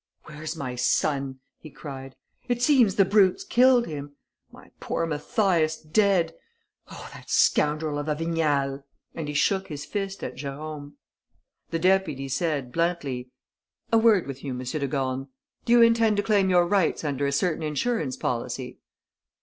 "Where's my son?" he cried. "It seems the brute's killed him!... My poor Mathias dead! Oh, that scoundrel of a Vignal!" And he shook his fist at Jérôme. The deputy said, bluntly: "A word with you, M. de Gorne. Do you intend to claim your rights under a certain insurance policy?"